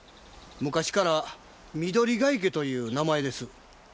昔から「緑ヶ池」という名前です。